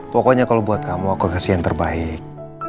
pokoknya kalau buat kamu aku kasih yang terbaik